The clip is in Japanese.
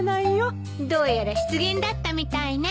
どうやら失言だったみたいね。